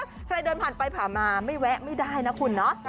ใครเดินผ่านไปผ่านมาไม่แวะไม่ได้นะคุณเนาะ